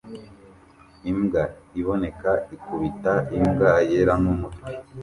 Imbwa iboneka ikubita imbwa yera n'umutwe